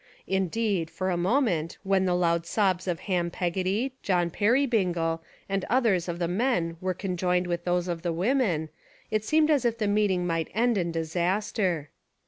Indeed for a moment when the loud sobs of Ham Peggotty, John Perrybingle, and others of the men were conjoined with those of the women, it seemed as if the meeting might end in disas ter.